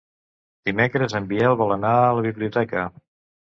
Dimecres en Biel vol anar a la biblioteca.